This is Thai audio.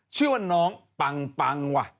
ชื่อว่าน้องปังปังว่ะ